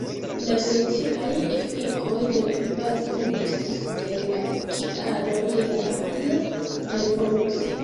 La sociaj efikoj de la invadoj estas inter la kialoj de la Maja Revolucio.